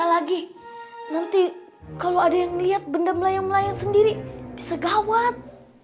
lagi nanti kalau ada yang melihat benda melayang melayang sendiri bisa gawat